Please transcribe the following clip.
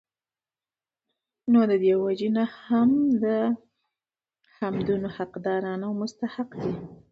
نو د دي وجي نه هم هغه د حمدونو حقدار او مستحق دی